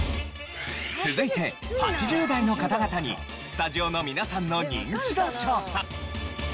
続いて８０代の方々にスタジオの皆さんのニンチド調査。